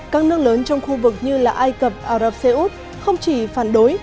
các nước lớn trong khu vực như là ai cập ả rập xê út không chỉ phản đối